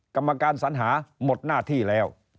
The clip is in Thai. กรรมการสัญหาหมดหน้าที่แล้ว